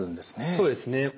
そうですね。